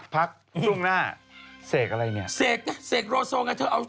พักตรงหน้า